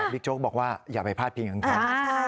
พี่โจ๊กบอกว่าอย่าไปพลาดเพียงกันค่ะ